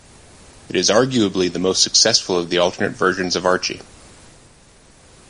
It is arguably the most successful of the alternate versions of Archie.